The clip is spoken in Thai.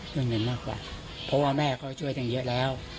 เรื่องเงินมากกว่าเพราะว่าแม่ก็ช่วยกันเยอะแล้ว